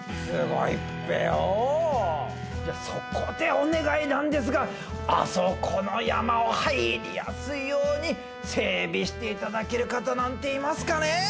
いやそこでお願いなんですがあそこの山を入りやすいように整備して頂ける方なんていますかね？